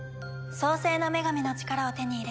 創世の女神の力を手に入れ